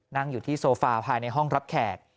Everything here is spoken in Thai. นั่งอยู่ที่โซฟาภายในห้องรับแขก